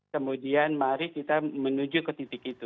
kemudian mari kita menuju ke titik itu